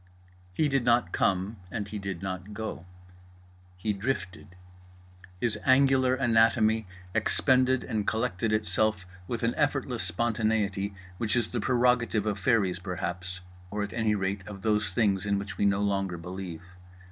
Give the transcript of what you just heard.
He did not come and he did not go. He drifted. His angular anatomy expended and collected itself with an effortless spontaneity which is the prerogative of fairies perhaps, or at any rate of those things in which we no longer believe.